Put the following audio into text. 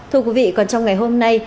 thưa quý vị còn trong ngày hôm nay